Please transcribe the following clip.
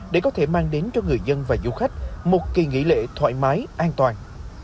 để có thể mang đến cho người dân và du khách một kỳ nghỉ lễ thoải mái an toàn